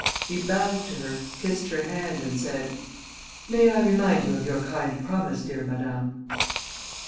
He bowed to her, kissed her hand and said: "May I remind you of your kind promise, dear madame?"